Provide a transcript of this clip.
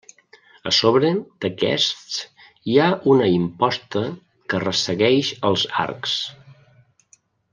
A sobre d'aquests hi ha una imposta que ressegueix els arcs.